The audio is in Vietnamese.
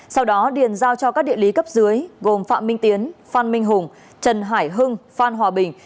sau đó điền giao cho các địa lý cấp dưới gồm phạm minh tiến phan minh hùng trần hải hưng phan hòa bình